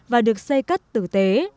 và được xây cất tử tế